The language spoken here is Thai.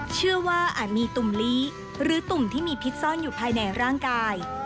อาจมีตุ่มลี้หรือตุ่มที่มีพิษซ่อนอยู่ภายในร่างกาย